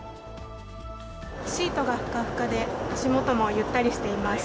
シートがふかふかで、足元もゆったりしています。